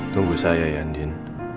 tunggu saya ya andien